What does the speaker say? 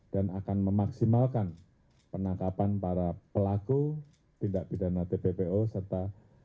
dan akan memaksimalkan penangkapan para pelaku tindak pidana tppo serta